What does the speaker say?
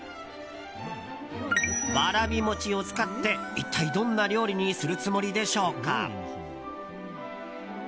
わらび餅を使って一体どんな料理にするつもりでしょうか？